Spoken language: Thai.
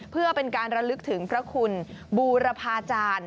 เพื่อเป็นการระลึกถึงพระคุณบูรพาจารย์